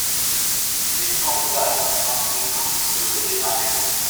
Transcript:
Il est sans rival pour peindre les blanchisseuses et les zingueurs.